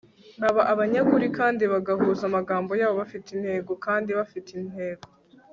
baba abanyakuri kandi bagahuza amagambo yabo bafite intego kandi bafite intego